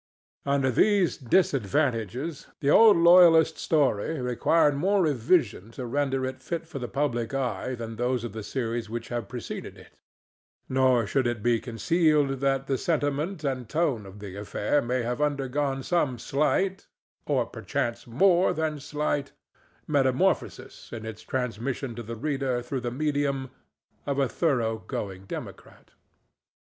Under these disadvantages, the old loyalist's story required more revision to render it fit for the public eye than those of the series which have preceded it; nor should it be concealed that the sentiment and tone of the affair may have undergone some slight—or perchance more than slight—metamorphosis in its transmission to the reader through the medium of a thoroughgoing democrat.